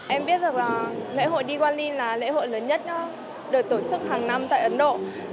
em biết được là lễ hội diwali là lễ hội lớn nhất được tổ chức hàng năm tại ấn độ